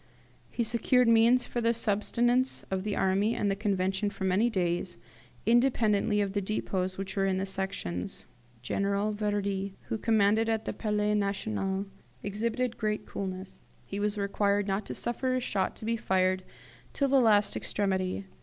He secured means for the subsistence of the army and of the Convention for many days, independently of the depots which were in the Sections. "General Verdier, who commanded at the Palais National, exhibited great coolness; he was required not to suffer a shot to be fired till the last extremity.